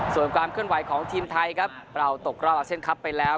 ส่วนความเคลื่อนไหวของทีมไทยครับเราตกรอบอาเซียนคลับไปแล้ว